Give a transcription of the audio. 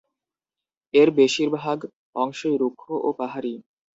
এর বেশির ভাগ অংশই রুক্ষ ও পাহাড়ি।